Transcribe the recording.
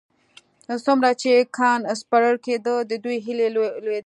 څومره چې کان سپړل کېده د دوی هيلې لوړېدې.